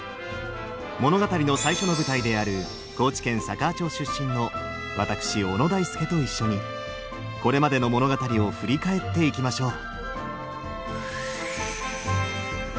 物語の最初の舞台である高知県佐川町出身の私小野大輔と一緒にこれまでの物語を振り返っていきましょう。